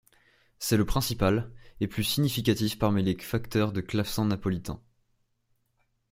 C'est le principal et plus significatif parmi les facteurs de clavecins napolitains.